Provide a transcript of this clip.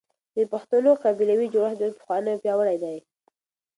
د پښتنو قبيلوي جوړښت ډېر پخوانی او پياوړی دی.